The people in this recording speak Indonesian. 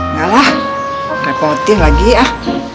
malah repotin lagi ah